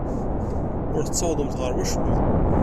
Ur tessawḍemt ɣer wacemma.